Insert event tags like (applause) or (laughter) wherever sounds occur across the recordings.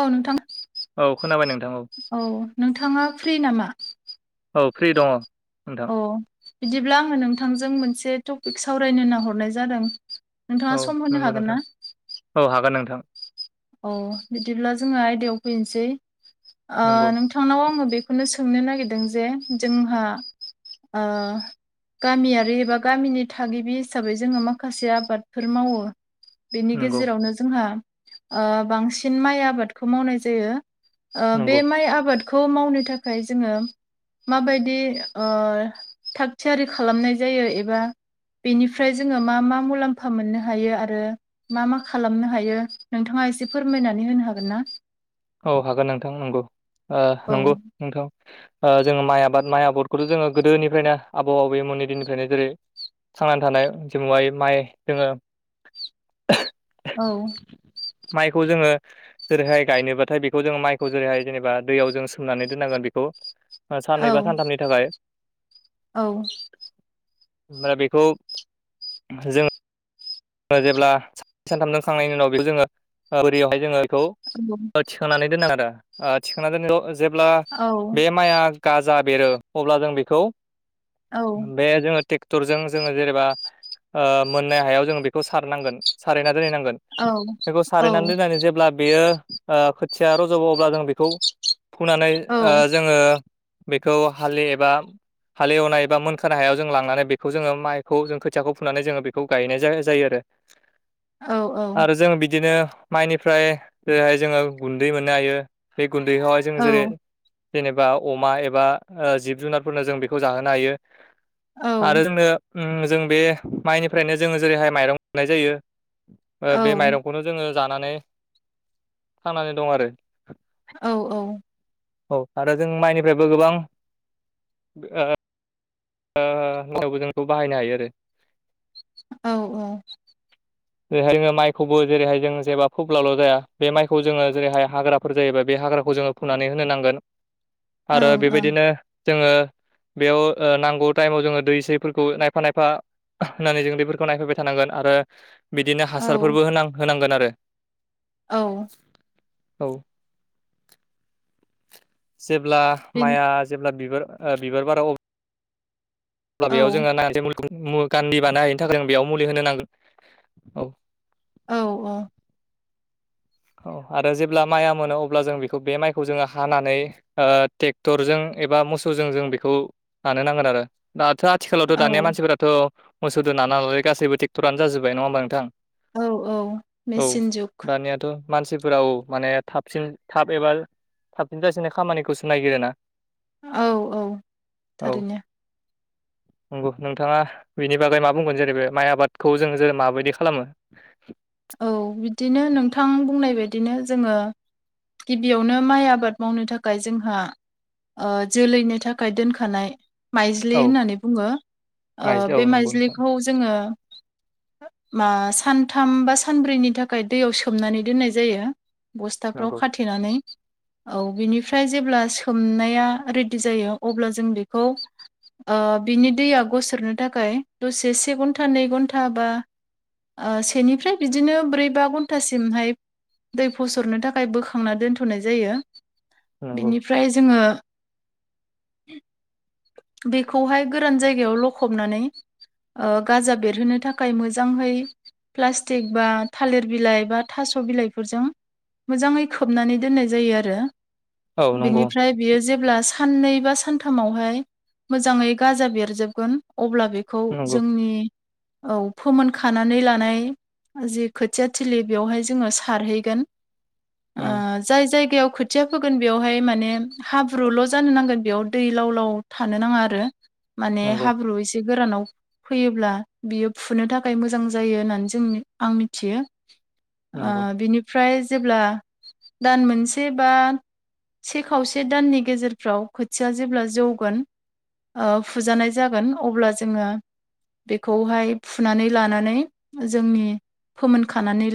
औ नोंथां औ खोनाबाय नोंथां औ नोंथाङा फ्रि नामा? औ फ्रि दङ। औ बिदिब्ला आङो नोंथांजों मोनसे टपिक सावरायनो नाहरनाय जादों। नोंथाङा औ सम होनो नंगौ हागोन नोंथां ना? औ हागोन नोंथां। औ बिदिब्ला जोंङो आयदायाव फैनोसै ओ नंगौ नों थांनाव आङो बेखौनो सोंनो नागिरदों जे जोंहा ओ गामियारि एबा गामिनि थागिबि हिसाबै जोङो माखासे आबादफोर मावो बेनि नंगौ गेजेरावनो जोंहा ओ बांसिन माइ आबादखौ मावनाय जायो। ओ बे नंगौ माइ आबाद खौ मावनो थाखाय जोङो माबायदि ओ थाग थियारि खालामनाय जायो एबा बेनिफ्राय जोङो मा मा मुलाम्फा मोननो हायो आरो मा मा खालामनो हायो? नोंथाङा एसे फोरमायनानै होनो हागोनना? औ हागोन नोंथां नंगौ ओ औ नंगौ नोंथां ओ जोङो माइ आबाद माइ आबादखौथ' जोङो गोदोनिफ्रायनो आबौ आबैमोननि दिननिफ्रायनो जेरै थांनानै थानाय जेखौहाय माइ जोङो औ माइखौ जोङो जेरैहाय गायनोबा थाय बेखौ जोङो माइखौ जेरैहाय जेनेबा दैयाव जों सोमनानै दोननांगोन बिखौ ओ औ साननै बा सानथामनि थाखाय औ दा बेखौ जोङो ओ जेब्ला सा सानथामजों खांनायनि उनाव बेखौ जोङो बोरियावहाय जोङो बेखौ (unintelligible) थिखांनानै दोनदों आरो ओ थिखांना दोननांगौ जेब्ला औ बे माइआ गाजा बेरो अब्ला जों बेखौ औ बे जोङो टेक्टरजों जोङो जेनेबा ओ मोननाय हायाव जोङो बेखौ सारनांगोन सारहैना दोनैनांगोन औ बेखौ औ सारायनानै दोननानै जेब्ला बेयो ओ खोथिया रज'गोन अब्ला जों बेखौ फुनानै ओ जोङो बेखौ हालि एबा हालि एवनाय एबा मोनखानाय हायाव जों लांनानै बेखौ जोङो माइखौ जों खोथियाखौ फुनानै जोङो बेखौ गायनाय जाय जायो आरो औ आरो जों बिदिनो माइनिफ्राय जेरैहाय जोङो गुन्दै मोननो हायो बे गुन्दैखौहाय जों जेरै औ जेनेबा अमा एबा ओ जिब जुनारफोरनो जों बेखौ जाहोनो हायो औ आरो जोंनो उम जों बे माइनिफ्रायनो जोङो जेरैहाय माइरं मोननाय जायो ओ बे माइरंखौनो जोङो जानानै थांनानै दं आरो औ औ औ आरो जों माइनिफ्रायबो गोबां ओ ओ (inaudible) जोंखौ बाहायनो हायो आरो औ औ जेरैहाय जोङो माइखौबो जेरैहाय जों जेबा फोब्लाल' जाया बे माइखौ जोङो जेरैहाय हाग्रा फोर जायोबा बे हाग्राखौ जोङो फुनानै होनो नांगोन आरो बेबायदिनो जोङो बेयाव ओ नां खौ टाइमाव जोङो दै सैफोरखौ नायफा नायफा होनानै जोङो दैफोरखौ नायफैबाय थानांगोन आरो बिदिनो हासारफोरबो होनां होनांगोन आरो औ औ जेब्ला माइआ जेब्ला बिबार ओ बिबार बारो अ अब्ला बेयाव जोंङो नहाते मुलिखौ गान्दै बानो हायैनि थाखाय बेयाव मुलि होनो नांगोन। औ औ औ औ आरो जेब्ला माइआ मोनो अब्ला जों बेखौ बे माइखौ जोङो हानानै ओ टेक्टरजों एबा मोसौजों जों बेखौ नानो नांगोन आरो दाथ' आथिखालावथ' औ दानिया मानसिफोराथ' मोसौदो नानो हालालै गासैबो ट्रेक्टरानो जाजोबबाय नङा होमबा नोंथां! औ औ औ मेचिन जुग दानियाथ' मानसिफोरा औ माने थाबसिन थाब एबा थाबसिन जासिननाय खामानिखौसो नागिरोना औ औ औ (inaudible) नंगौ नोंथाङा बेनि बागै मा बुंगोन जेरै बे माइ आबादखौ जोङो जेरै माबायदि खालामो औ बिदिनो नोंथां बुंनाय बायदिनो जोङो गिबियावनो माइ आबाद मावनो थाखाय जोंहा ओ जोलैनि थाखाय दोनखानाय माइज्लि औ होननानै बुङो ओ माइज्लि औ बे नंगौ नोंथां माइज्लिखौ जोङो मा सानथाम बा सा सानब्रैनि थाखाय दैयाव सोमनानै दोननाय जायो बस्थाफ्राव नंगौ खाथेनानै औ बिनिफ्राय जेब्ला सोमनाया रेडि जायो अब्ला जों बेखौ ओ बिनि दैया गसोरनो थाखाय दसे से घन्टा नै घन्टा बा ओ सेनिफ्राय बिदिनो ब्रै बा घन्टासिमहाय दै फसरनो थाखाय बोखांना दोन्थ'नाय जायो नंगौ बिनिफ्राय जोङो बेखौहाय गोरान जायगायाव लखबनानै ओ गाजा बेरहोनो थाखाय मोजांहै प्ला टिक बा थालिर बिलाइ बा थास' बिलाइफोरजों मोजाङै खोबनानै दोननाय जायो आरो औ नंगौ बेनिफ्राय बेयो जेब्ला साननै बा सानथामावहाय मोजाङै गाजा बेरजोबगोन अब्ला बेखौ खौ नंगौ जोंनि औ फोमोनखानानै लानाय जि खोथिया थिलि बेवहाय जोङो सारहैगोन उम जाय जायगायाव खोथिया फोगोन बेवहाय माने हाब्रुल' जानो नांगोन बेयाव दै लाव लाव थानो नाङा आरो माने नंगौ हाब्रु एसे गोरानाव फैयोब्ला बियो फुनो थाखाय मोजां जायो होननानै जों आं मिथियो ओ नंगौ बिनि फ्राय जेब्ला दान मोनसे बा से खावसे दाननि गेजेरफ्राव खोथिया जेब्ला जौगोन फुजानाय जागोन अब्ला जोङो बेखौहाय फुनानै लानानै जोंनि फोमोनखानानै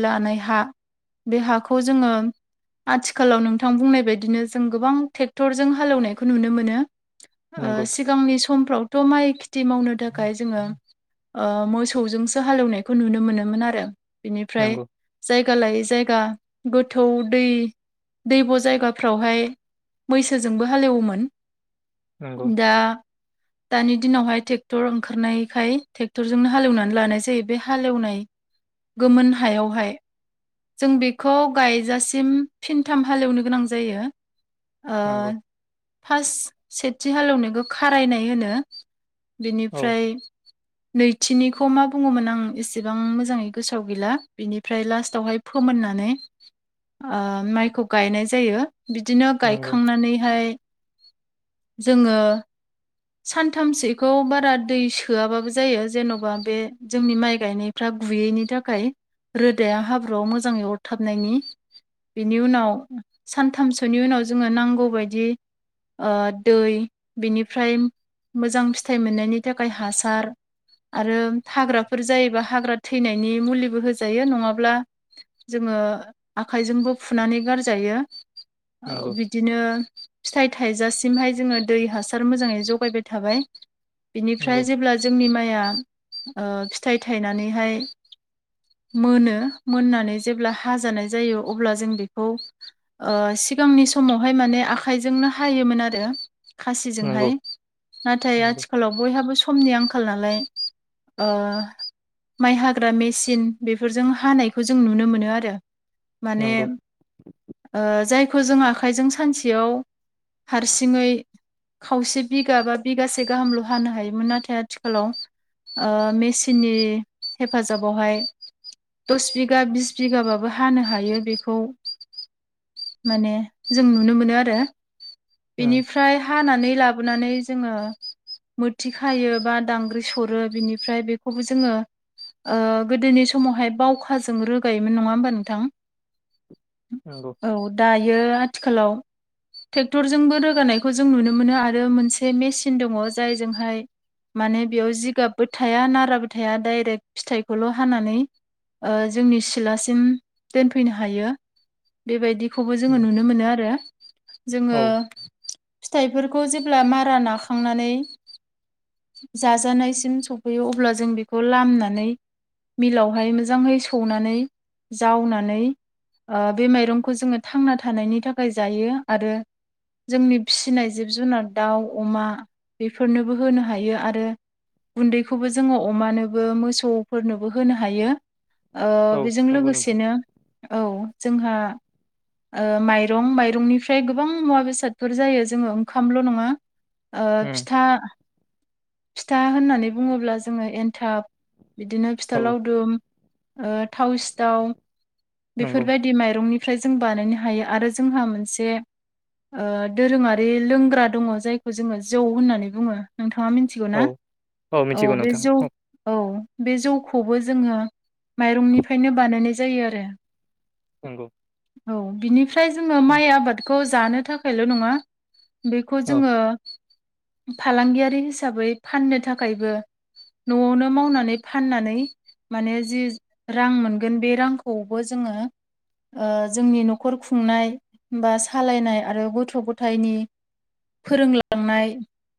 आथिखालाव नोंथां बुंनाय बायदिनो जों गोबां ट्रेक्टरजों हालेवनायखौ नुनो मोनो ओ नंगौ सिगांनि समफ्रावथ' माइ खेथि मावनो थाखाय जोङो ओ मोसौजोंसो हालेवनायखौ नुनो मोनोमोन आरो बिनिफ्राय नंगौ जायगा लायै जायगा गोथौ दै दैब' जायगाफ्रावहाय मैसोजोंबो हाल एवोमोन नंगौ दा दानि दिनावहाय ट्रेक्टर ओंखारनायखाय ट्रेक्टरजोंनो हालेवनानै लानाय जायो बे हालेवनाय गोमोन हायावहाय जों बेखौ गायजासिम फिनथाम हालेवनो गोनां जायो ओ नंगौ फार्स्ट सेथि हालेवनायखौ खारायनाय होनो औ बेनिफ्राय नैथिनिखौ मा बुङोमोन आं एसेबां मोजाङै गोसोआव गैला बिनिफ्राय लास्टावहाय फोमोननानै आ माइखौ गायनाय जायो बिदिनो नंगौ गायखांनानैहाय जोङो सानथामसेखौ बारा दै सोआबाबो जायो जेन'बा बे जोंनि माइ गायनाय फ्रा गुयैनि थाखाय रोदाया हाब्रुआव मोजाङै अरथाबनायनि बिनि उनाव सानथामसोनि उनाव जोङो नांगौबायदि ओ दै बिनिफ्राय मोजां फिथाइ मोननायनि थाखाय हासार आरो हाग्राफोर जायोबा हाग्रा थैनायनि मुलिबो होजायो नङाब्ला जोङो आखाइजोंबो फुनानै गारजायो औ नंगौ बिदिनो फिथाइ थाइजासिमहाय जोङो दै हासार मोजाङै जगायबाय थाबाय बिनिफ्राय जेब्ला जोंनि माइआ फिथाइ थायनानैहाय मोनो मोननानै जेब्ला हाजानाय जायो अब्ला जों बेखौ सिगांनि समावहाय माने आखाइजोंनो हायोमोन आरो खासिजोंहाय नंगौ नाथाय नंगौ आथिखालाव बयहाबो समनि आखाल नालाय माइ हा हग्रा मेसिन बेफोरजों हानायखौ जों नुनो मोनो आरो माने नंगौ जायखौ जों आखाइजों सानसेयाव हारसिङै खावसे बिगा बा बिगासे गाहामल' हानो हायोमोन नाथाय आथिखालाव ओ मेसिननि हेफाजाबावहाय दस बिगा बिस बिगाबाबो हानो हायो बेखौ माने जों नुनो मोनो आरो नंगौ बेनिफ्राय फ्राय हानानै लाबोनानै जोङो मोथि खायो बा दांग्रि सरो बिनिफ्राय बेखौबो जोङो गोदोनि समावहाय बावखाजों रोगायोमोन नङा होमबा नोंथां उम नंगौ औ दायो आथिखालाव ट्रेक्टरजोंबो रोगानायखौ जों नुनो मोनो आरो मोनसे मेसिन दङ जायजोंहाय माने बेयाव जिगाबबो थाया नाराबो थाया डाइरेक्ट फिथाइखौल' हानानै जोंनि सिलासिम दोनफैनो हायो बेबायदिखौबो जोङो उम नुनो मोनो आरो औ जोङो फिथाइफोरखौ जेब्ला मारा नाखांनानै जाजानायसिम सफैयो अब्ला जों बेखौ लामनो मिलावहाय मोजाङै सौनानै जावनानै बे माइरंखौ जोङो थांना थानायनि थाखाय जायो आरो जोंनि फिसिनाय जिब जुनार दाउ अमा बेफोरनोबो होनो हायो आरो गुन्दैखौबो जोङो अमानोबो मोसौ सौफोरनोबो होनो हायो औ बेजों नंगौ नोंथां लोगोसेनो औ जोंहा ओ माइरं माइरंनिफ्राय गोबां मुवा बेसादफोर जायो जोङो ओंखामल' नङा उम फिथा फिथा होननानै बुङोब्ला जोङो एन्थाब बिदिनो फिथा औ लावदुम थाव सिथाव नंगौ बेफोरबायदि बिदि माइरंनिफ्राय जों बानायनो हायो आरो जोंहा मोनसे दोरोङारि लोंग्रा दङ जायखौ जोङो जौ होननानै बुङो नोंथाङा मिथि मिथिगौ औ ना औ मिथिगौ बे नोंथां जौ औ औ बे जौखौबो जोङो माइरंनिफ्रायनो बानायनाय जायो आरो नोंंगौ औ बिनिफ्राय जोङो माइ आबादखौ जानो थाखायल' नंङा बेखौ औ जोङो फालांगियारि हिसाबै फाननो थाखायबो न'आवनो मावनानै फाननानै माने जि रां मोनगोन बे रांखौबो जोङो जोंनि न'खर खुंनाय बा सालायनाय आरो गथ' गथायनि फोरोंलांनाय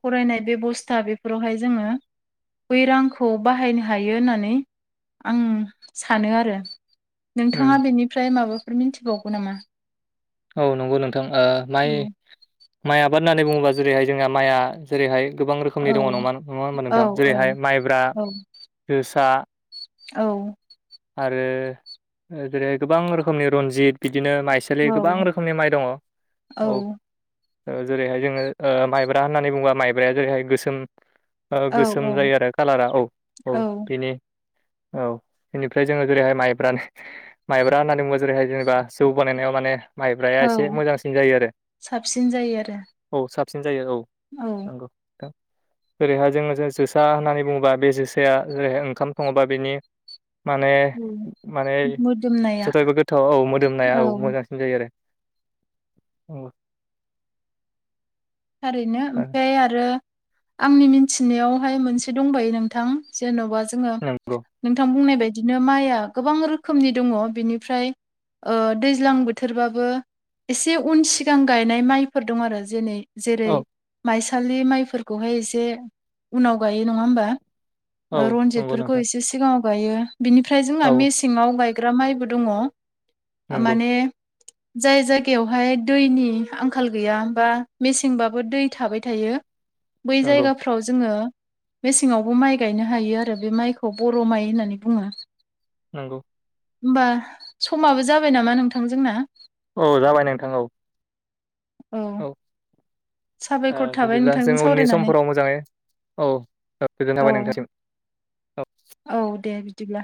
फरायनाय बेबस्था बेफोरावहाय जोङो बै रांखौ बाहायनो ह हायो होननानै आं सानो आरो उम नोंथाङा बेनिफ्राय माबा बेफोर मिथिबावगौ नामा औ नंगौ नोंथां माइ औ माइ आबाद होननानै बुङोबा जेरैहाय जोंहा माइआ जेरैहाय गोबां औ रोखोमनि दङ नङा नङा होनोमबा औ नोंथां जेरैहाय माइब्रा औ जोसा औ आरो जेरै गोबां रोखोमनि रनजित बिदिनो माइसालि औ गोबां रोखोमनि माइ दंङ। औ ओ जेरैहाय जोंङो ओ माइब्रा होननानै बुंङोबा माइब्राया जेरैहाय गोसोम। ओ औ गोसोम जायो आरो कालारा औ औ बिनि औ। बेनिफ्राय जोंङो जेरैहाय माइब्रा माइब्रा होननानै बुंङो जेरैहाय जेनेबा जौ बानायनायाव माने। माइब्राया एसे औ मोजांसिन जायो आरो। साबसिन जायो आरो औ साबसिन जायो औ। औ नोंगौ नोंथां ओरैहाय जोंङो जो जोसा होननानै बुंङोबा बे जोसाया जेरैहाय ओंखाम संङोबा बेनि माने माने मोदोमनाया जाथायबो गोथाव औ मोदोमनाया औ मोजांसिन। जायो आरो औ। थारैनो ओमफाय आरो आंनि मिनथिनायावहाय मोनसे दंबायो नोंथां। जेन'बा जोंङो नंगौ नोंथां बुंनाय बायदिनो माइआ गोबां रोखोमनि दंङ। बेनिफ्राय ओ दैज्लां बोथोरबाबो एसे उन सिगां गायनाय माइफोर दं आरो जेनै जेरै औ माइसालि माइफोरखौहाय एसे उनाव गायो नंङा होमबा? औ ओ नंगौ रनजितफोरखौ नोंथां एसे सि सिगांङाव गायो बिनिफ्राय जोंना औ मेसेंआव गायग्रा माइबो दंङ। नंगौ माने जाय जायगायावहाय दैनि आंखाल गैया बा मेसेंबाबो दै थाबाय थायो बै नंगौ जायगाफ्राव जोङो मेसेंङावबो माइ गायनो हायो आरो बे माइखौ बर' माइ होननानै बुंङो। नोंगौ होमबा समाबो जाबाय नामा नोंथां जोंना? औ जाबाय नोंथां औ। औ औ ओ साबायखर थाबाय बिदिब्ला नोंथांजों जों उननि सावरायनानै समफोराव मोजांङै औ गोजोन्नाय औ थाबाय नोंथांसिम। औ दे बिदिब्ला।